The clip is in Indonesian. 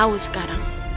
aku tau sekarang